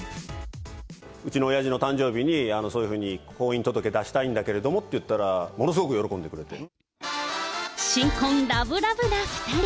うちのおやじの誕生日にそういうふうに、婚姻届出したいんだけれどもって言ったら、ものすごく喜んでくれ新婚ラブラブな２人。